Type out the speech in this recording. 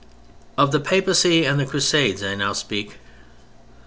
Of the Papacy and the Crusades I now speak.